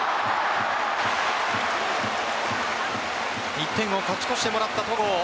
１点を勝ち越したもらった戸郷